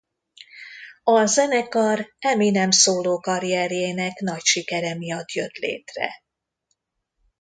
A zenekar Eminem szólókarrierjének nagy sikere miatt jött létre.